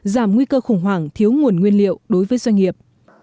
giảm nguy cơ khủng hoảng thiếu nguồn nguyên liệu đối với doanh nghiệp